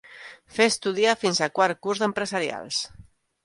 Fa estudiar fins a quart curs d'Empresarials.